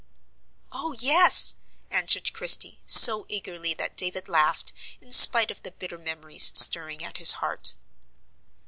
"Oh, yes!" answered Christie, so eagerly that David laughed, in spite of the bitter memories stirring at his heart.